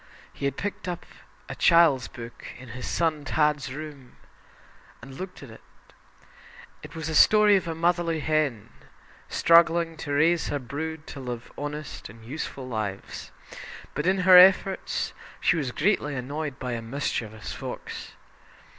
He had picked up a child's book in his son "Tad's" room and looked at it. It was a story of a motherly hen, struggling to raise her brood to lead honest and useful lives; but in her efforts she was greatly annoyed by a mischievous fox.